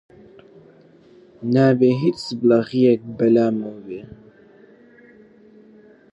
نابێ هیچ سابڵاغییەک بە لامەوە بێ!